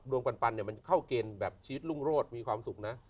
ดวงบรรปันมันเข้าเกณฑ์แบบชีวิตลุ้งโรษมีความสุขนะ